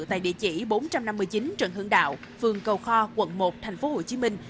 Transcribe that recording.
tại địa chỉ bốn trăm năm mươi chín trần hưng đạo phường cầu kho quận một thành phố hồ chí minh